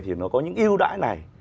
thì nó có những yêu đãi này